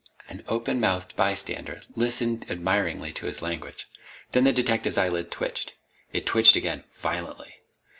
An open mouthed bystander listened admiringly to his language. Then the detective's eyelid twitched. It twitched again, violently.